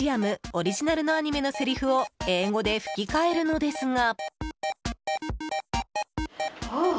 オリジナルのアニメのせりふを英語で吹き替えるのですが。